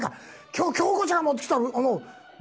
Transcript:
今日京子ちゃんが持ってきた弁当にさ